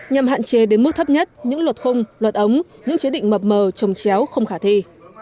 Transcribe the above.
nhằm hạn chế đến mức thấp nhất những luật khung luật ống những chế định mập mờ trồng chéo không khả thi